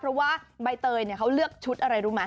เพราะว่าใบเตยเขาเลือกชุดอะไรรู้ไหม